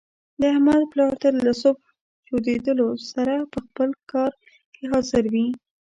د احمد پلار تل له صبح چودېدلو سره په خپل کار کې حاضر وي.